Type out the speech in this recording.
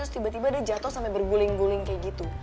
terus tiba tiba dia jatuh sampai berguling guling kayak gitu